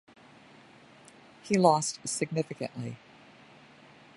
He lost significantly.